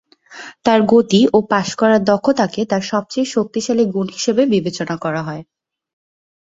তাঁর গতি ও পাস করার দক্ষতাকে তাঁর সবচেয়ে শক্তিশালী গুণ হিসেবে বিবেচনা করা হয়।